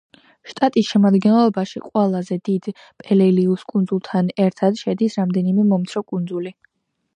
შტატის შემადგენლობაში ყველაზე დიდ პელელიუს კუნძულთან ერთად შედის რამდენიმე მომცრო კუნძული.